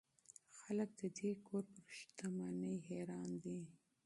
خلک د دې کور پر شتمنۍ حیران دي.